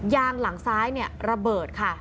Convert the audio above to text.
ยางหลังซ้ายระเบิดค่ะ